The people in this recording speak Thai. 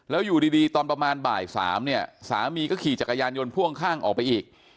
แล้วอยู่ดีตอนประมาณบ่าย๓เนี่ยสามีก็ขี่จักรยานยนต์พ่วงข้างออกไปอีก